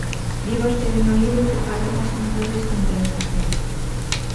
Di vostede no libro que falta unha segunda descentralización.